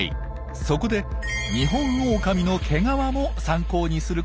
そこでニホンオオカミの毛皮も参考にすることにしました。